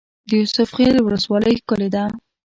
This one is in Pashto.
د یوسف خیل ولسوالۍ ښکلې ده